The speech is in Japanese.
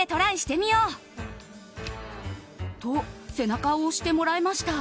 と、背中を押してもらいました。